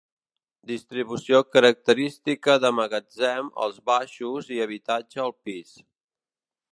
Distribució característica de magatzem als baixos i habitatge al pis.